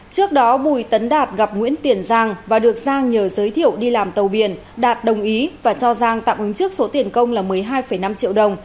trước đó bùi tấn đạt gặp nguyễn tiền giang và được giang nhờ giới thiệu đi làm tàu biển đạt đồng ý và cho giang tạm ứng trước số tiền công là một mươi hai năm triệu đồng